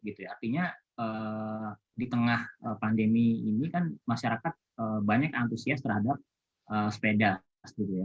artinya di tengah pandemi ini kan masyarakat banyak antusias terhadap sepeda